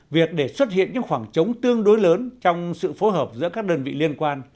việc để xuất hiện những khoảng trống tương đối lớn trong sự phối hợp giữa các đơn vị liên quan